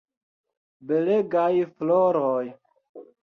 Belegaj floroj!